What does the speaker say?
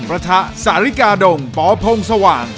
พระทะสาริกาดงปพงสว่าง